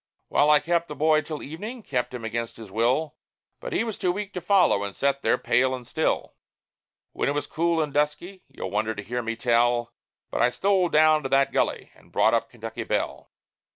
Well, I kept the boy till evening kept him against his will But he was too weak to follow, and sat there pale and still. When it was cool and dusky you'll wonder to hear me tell But I stole down to that gully, and brought up Kentucky Belle.